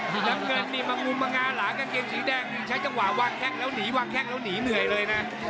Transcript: น้ำเงินนี่มะงุมมะงาหลาก้างเคียงสีแดงใช้จังหว่าวางแคล็กแล้วหนีวางแคล็กแล้วหนีเหนื่อยเลยนะ